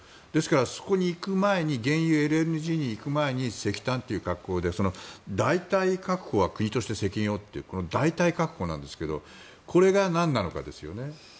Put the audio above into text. ですから、そこに行く前に原油、ＬＮＧに行く前に石炭という格好で代替確保は国として責任をというこの代替確保なんですがこれがなんなのかですよね。